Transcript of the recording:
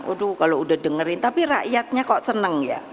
aduh kalau udah dengerin tapi rakyatnya kok seneng ya